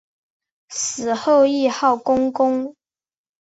死后谥号恭公。